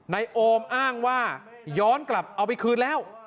โอมอ้างว่าย้อนกลับเอาไปคืนแล้ว